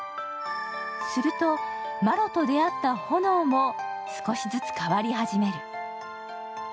するとマロと出会った炎も少しずつ変わり始める。